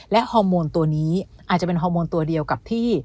และฮอร์โมนตัวนี้อาจจะเป็นฮอร์โมนตัวเดียวกับที่